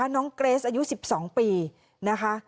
น้องเกรสอายุ๑๒ปีนะคะ